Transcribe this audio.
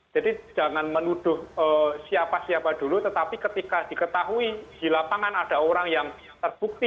jadi jangan menuduh siapa siapa dulu tetapi ketika diketahui di lapangan ada orang yang terbukti